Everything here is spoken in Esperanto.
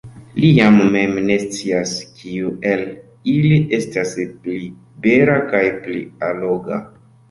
Li jam mem ne scias, kiu el ili estas pli bela kaj pli alloga.